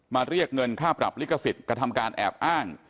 เรียกเงินค่าปรับลิขสิทธิ์กระทำการแอบอ้าง